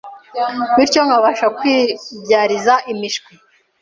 bityo nkabasha kwibyariza imishwi